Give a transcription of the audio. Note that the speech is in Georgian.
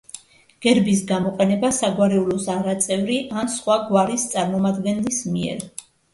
გერბის გამოყენება საგვარეულოს არაწევრი ან სხვა გვარის წარმომადგენლის მიერ.